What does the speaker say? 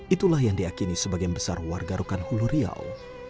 itulah yang diakini sebagian besar warga rukan hulu riau